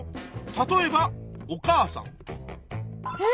例えばお母さん。え？